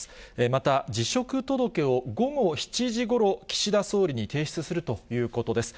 また、辞職届を午後７時ごろ、岸田総理に提出するということです。